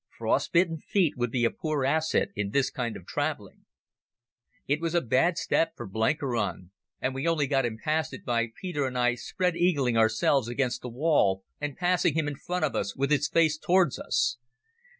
Frost bitten feet would be a poor asset in this kind of travelling. It was a bad step for Blenkiron, and we only got him past it by Peter and I spread eagling ourselves against the wall and passing him in front of us with his face towards us.